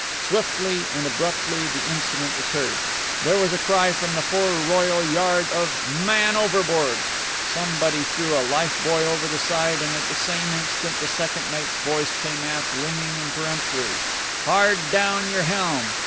Swiftly and abruptly the incident occurred. There was a cry from the foreroyal yard of "Man overboard!" Somebody threw a life buoy over the side, and at the same instant the second mate's voice came aft, ringing and peremptory: "Hard down your helm!"